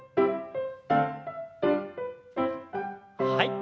はい。